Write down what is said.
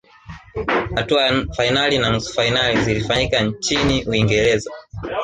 hatua ya fainali na nusu fainali zilifanyika nchini uingereza